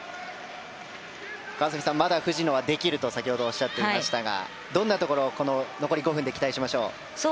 川澄さん、まだ藤野はできると先ほどおっしゃっていましたがどんなところ残り５分で期待しましょう。